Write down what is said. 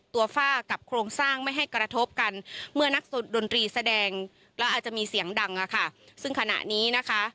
ฝ้ากับโครงสร้างไม่ให้กระทบกันเมื่อนักดนตรีแสดงแล้วอาจจะมีเสียงดังอะค่ะซึ่งขณะนี้นะคะ